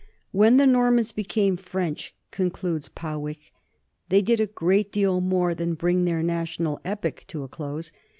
"When the Normans NORMANDY AND FRANCE 141 became French," concludes Powicke, "they did a great deal more than bring their national epic to a close.